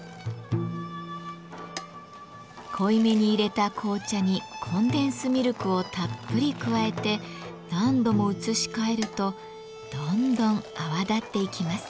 濃い目にいれた紅茶にコンデンスミルクをたっぷり加えて何度も移し替えるとどんどん泡立っていきます。